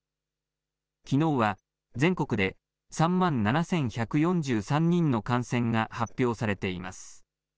きのうは全国で３万７１４３人の感染が発表されています。